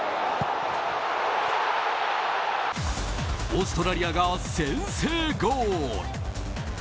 オーストラリアが先制ゴール！